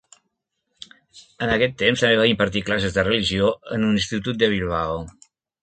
En aquest temps també va impartir classes de religió en un institut de Bilbao.